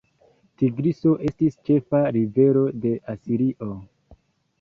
Tigriso estis ĉefa rivero de Asirio.